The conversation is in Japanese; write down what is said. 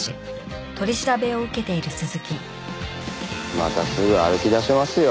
またすぐ歩き出しますよ